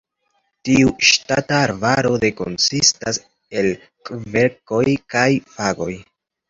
Tiu ŝtata arbaro de konsistas el kverkoj kaj fagoj.